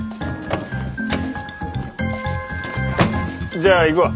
じゃあ行くわ。